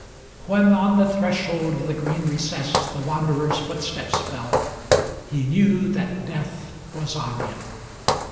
When on the threshold of the green recess The wanderer's footsteps fell, he knew that death Was on him.